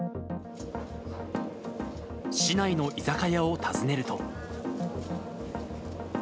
市内の居酒屋を訪ねると。